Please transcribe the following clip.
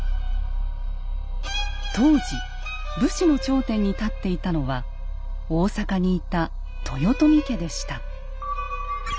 当時武士の頂点に立っていたのは大坂にいた豊臣家でした。